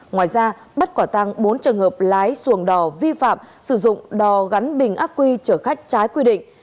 ngoài ra bắt quả tăng bốn trường hợp lái xuồng đò vi phạm sử dụng đò gắn bình ác quy chở khách trái quy định